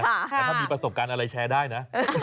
แต่ถ้ามีประสบการณ์อะไรแชร์ได้นะ